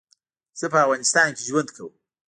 زه په افغانستان کي ژوند کوم